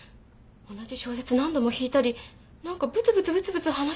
同じ小節何度も弾いたり何かブツブツブツブツ話したり。